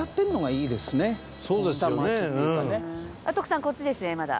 そうですよね。